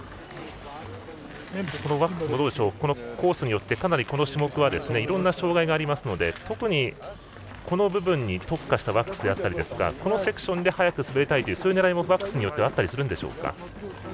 そのワックスもコースによってかなりこの種目はいろんな障害がありますので特に、この部分に特化したワックスであったりとかこのセクションで速く滑りたいという狙いもワックスによってあるでしょうか。